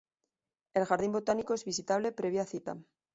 El jardín botánico es visitable previa cita.